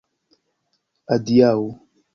Adiaŭ.